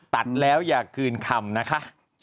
ตัดแล้วอย่าคืนคำนะคะ